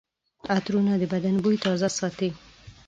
عطرونه د بدن بوی تازه ساتي.